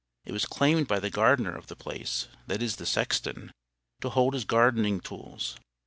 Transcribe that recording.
It was claimed by the gardener of the place, that is the sexton, to hold his gardening tools.